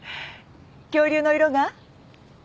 恐竜の色が？